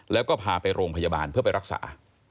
แล้วก็พาไปโรงพยาบาลเพื่อไปรักษา